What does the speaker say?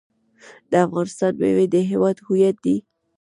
د افغانستان میوې د هیواد هویت دی.